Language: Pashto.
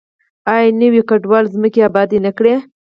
آیا نویو کډوالو ځمکې ابادې نه کړې؟